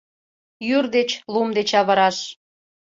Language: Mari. Йӱр деч, лум деч авыраш.